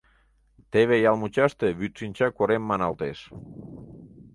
Теве ял мучаште Вӱдшинча корем маналтеш.